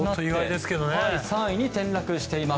３位に転落しています。